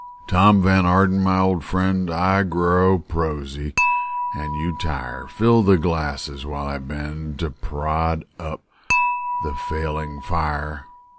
Tom Van Arden, my old friend, Â Â Â Â I grow prosy, and you tire; Fill the glasses while I bend Â Â Â Â To prod up the failing fire.